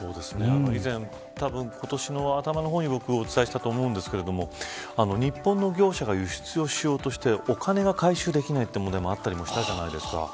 以前、多分今年の頭の方にお伝えしたと思うんですけど日本の業者が輸出をしようとしてお金が回収できないという問題もあったりしたじゃないですか。